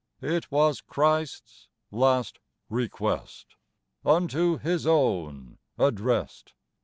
" It was Christ's last request, Unto His own addressed.